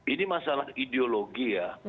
ini masalah ideologi ya